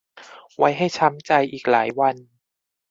ไว้ให้ช้ำใจอีกหลายวัน